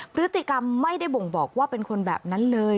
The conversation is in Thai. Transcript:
พฤติกรรมไม่ได้บ่งบอกว่าเป็นคนแบบนั้นเลย